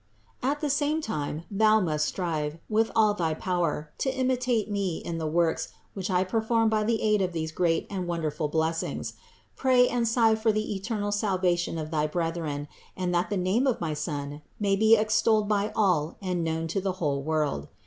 58. At the same time thou must strive, with all thy power, to imitate me in the works, which I performed by the aid of these great and wonderful blessings. Pray and sigh for the eternal salvation of thy brethren, and that the name of my Son may be extolled by all and known to the whole world.